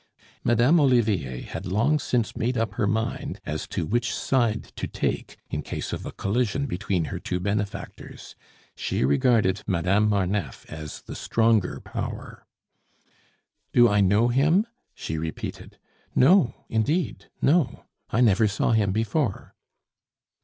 Madame Olivier had long since made up her mind as to which side to take in case of a collision between her two benefactors; she regarded Madame Marneffe as the stronger power. "Do I know him?" she repeated. "No, indeed, no. I never saw him before!"